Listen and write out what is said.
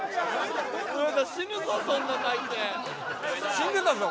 死んでたぞ